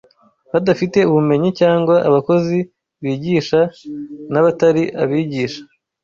badafite ubumenyi cyangwa abakozi bigisha nabatari abigisha